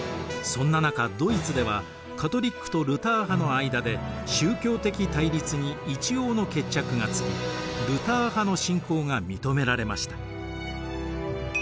そんな中ドイツではカトリックとルター派の間で宗教的対立に一応の決着がつきルター派の信仰が認められました。